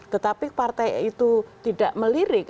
tetapi partai itu tidak melirik